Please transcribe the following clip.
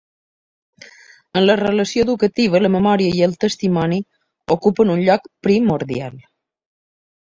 En la relació educativa la memòria i el testimoni ocupen un lloc primordial.